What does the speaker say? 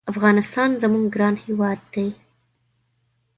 افغانستان زمونږ ګران هېواد دی